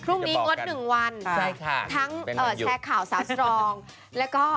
พรุ่งนี้งด๑วันทั้งแชร์ข่าวสาธารณ์สรองแล้วก็ข่าวสาธารณ์ไทย